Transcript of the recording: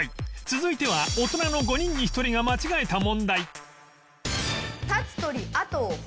続いては大人の５人に１人が間違えた問題